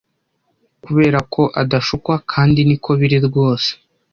Kuberako adashukwa kandi niko biri rwose